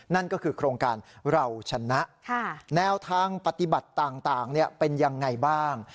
นั่นก็คือโครงการเราชนะแนวทางปฏิบัติต่างเป็นยังไงบ้าง